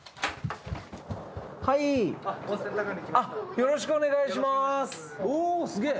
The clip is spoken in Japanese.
よろしくお願いします。